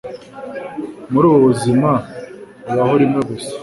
Muri ubu buzima Ubaho rimwe gusa.